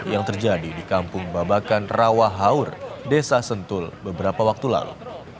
yang terjadi di kampung babakan rawa haur desa sentul beberapa waktu lalu